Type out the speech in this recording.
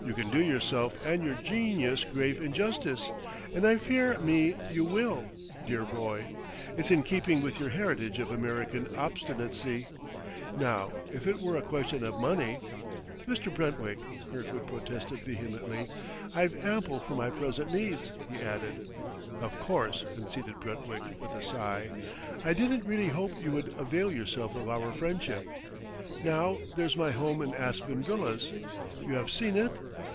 "You can do yourself and your genius grave injustice. And I fear me you will, dear boy. It's in keeping with your heritage of American obstinacy. Now if it were a question of money " "Mr. Brentwick!" Kirkwood protested vehemently. "I've ample for my present needs," he added. "Of course," conceded Brentwick with a sigh. "I didn't really hope you would avail yourself of our friendship. Now there's my home in Aspen Villas.... You have seen it?"